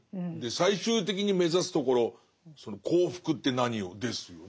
最終的に目指すところその幸福って何よ？ですよね。